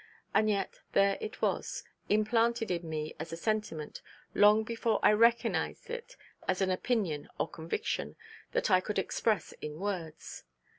And yet there it was, implanted in me as a sentiment, long before I recognised it as an opinion or conviction, that I could express in words!